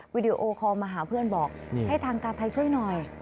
วิดีโอคอลมาหาเพื่อนบอกให้ทางการไทยช่วยหน่อย